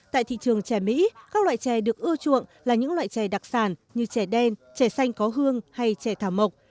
tại thị trường trẻ mỹ các loại chè được ưa chuộng là những loại chè đặc sản như chè đen chè xanh có hương hay chè thảo mộc